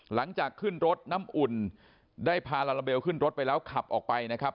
หลังจากขึ้นรถน้ำอุ่นได้พาลาลาเบลขึ้นรถไปแล้วขับออกไปนะครับ